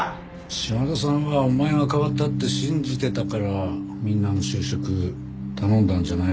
島田さんはお前が変わったって信じてたからみんなの就職頼んだんじゃないのかな？